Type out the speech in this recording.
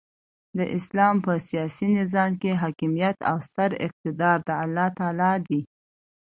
د اسلام په سیاسي نظام کښي حاکمیت او ستر اقتدار د االله تعالى دي.